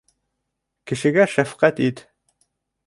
Кешегә шәфҡәт ит